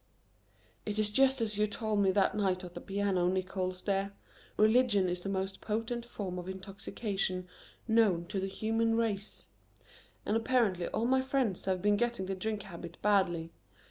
"It is just as you told me that night at the piano, Nickols dear: 'Religion is the most potent form of intoxication known to the human race,' and apparently all my friends have been getting the drink habit badly.